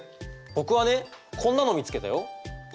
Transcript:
僕はねこんなの見つけたよ。